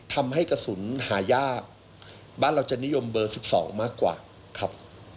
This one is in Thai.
ทำให้กระสุนหายากบ้านเราจะนิยมเบอร์๑๒มากกว่าครับ